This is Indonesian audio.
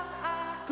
kau hancurkan aku